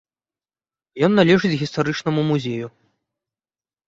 Ён належыць гістарычнаму музею.